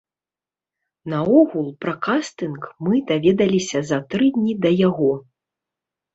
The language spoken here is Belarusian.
Наогул пра кастынг мы даведаліся за тры дні да яго.